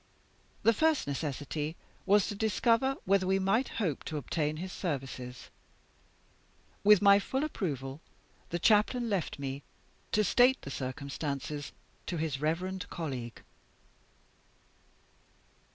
The first necessity was to discover whether we might hope to obtain his services. With my full approval the Chaplain left me, to state the circumstances to his reverend colleague.